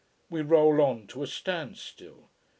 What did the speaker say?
We roll on to a standstill.